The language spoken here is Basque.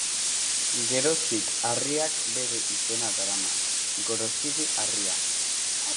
Geroztik harriak bere izena darama: Gorostidi harria.